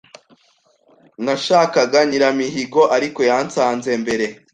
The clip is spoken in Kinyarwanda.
Nashakaga Nyiramihigo, ariko yansanze mbere.